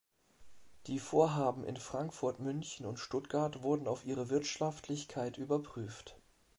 Die Vorhaben in Frankfurt, München und Stuttgart wurden auf ihre Wirtschaftlichkeit überprüft.